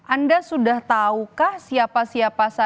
anda sudah tahukah siapa siapa saja calon kompetitor anda